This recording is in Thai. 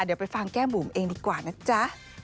เดี๋ยวไปฟังแก้มบุ๋มเองดีกว่านะจ๊ะ